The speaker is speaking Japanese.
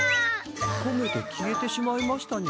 こげて消えてしまいましたにゃ。